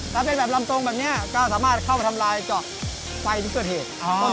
ถ้าเป็นแบบลำโตงแบบนี้ก็สามารถเข้าไปทำลายกับไฟนิกเตอร์เทศ